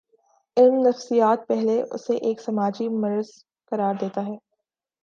علم نفسیات پہلے اسے ایک سماجی مرض قرار دیتا تھا۔